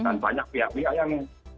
dan banyak pihak pihak yang